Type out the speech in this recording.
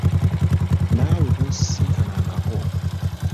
Naawe tonsisinkanangako.